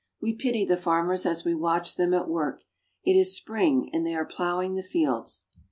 We pity the farmers as we w^atch them at work. It is spring, and they are plowing the fields.